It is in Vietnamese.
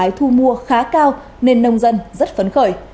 cây trồng trái thu mua khá cao nên nông dân rất phấn khởi